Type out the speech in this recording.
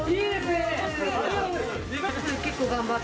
結構頑張った。